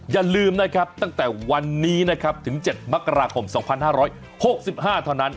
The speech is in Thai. อย่าลืมนะครับตั้งแต่วันนี้นะครับถึง๗มกราคม๒๕๖๕เท่านั้น